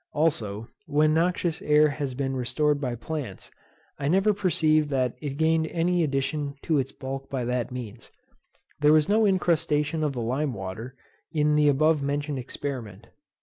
Also, when noxious air has been restored by plants, I never perceived that it gained any addition to its bulk by that means. There was no incrustation of the lime water in the above mentioned experiment.